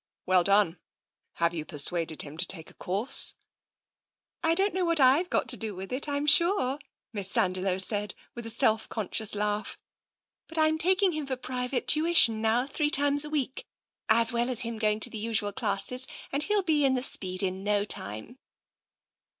" Well done ! Have you persuaded him to take a course? "" I don't know what 7've got to do with it, I'm sure," Miss Sandiloe said, with a self conscious laugh. " But I'm taking him for private tuition now, three times a 40 TENSION week, as well as him going to the usual classjcs, and he'll be in the Speed in no time."